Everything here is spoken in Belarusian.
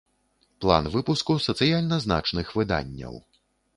План выпуску сацыяльна значных выданняў